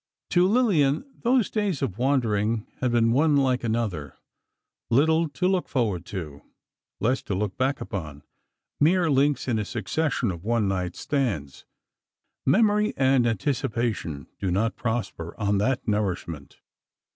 To Lillian, those days of wandering had been one like another—little to look forward to, less to look back upon—mere links in a succession of one night stands. Memory and anticipation do not prosper on that nourishment.